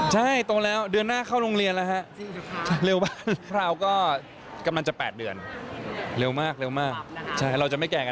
เฮ่ยมันจะเป็นฝวงห้ากับ